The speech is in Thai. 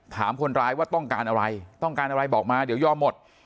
ถามคนร้ายว่าต้องการอะไรต้องการอะไรบอกมาเดี๋ยวยอมหมด